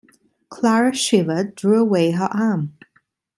Clara shivered, drew away her arm.